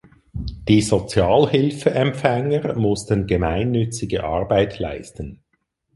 Die Sozialhilfeempfänger mussten gemeinnützige Arbeit leisten.